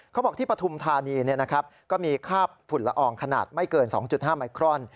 เขาบอกที่ปฐุมธานีก็มีค่าฝุ่นละอองขนาดไม่เกิน๒๕ไมครอน